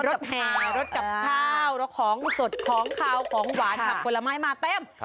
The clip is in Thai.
แห่รถกับข้าวรถของสดของขาวของหวานผักผลไม้มาเต็ม